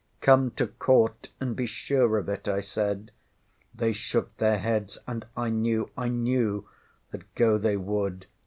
ŌĆØ ŌĆśŌĆ£Come to Court and be sure ofŌĆÖt, ŌĆØ I said. ŌĆśThey shook their heads and I knew I knew, that go they would.